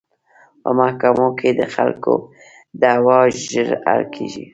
په محکمو کې د خلکو دعوې ژر حل کیږي.